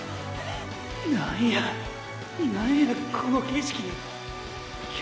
何や何やこの景色。